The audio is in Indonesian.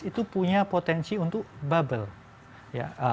itu punya potensi untuk bubble